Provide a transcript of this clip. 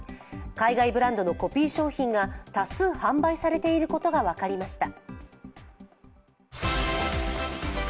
海外ブランドのコピー商品が多数販売されていることが分かりました。